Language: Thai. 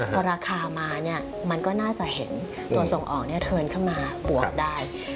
ตอนราคามามันก็น่าจะเห็นตัวส่งออกเทินเข้ามาปวกได้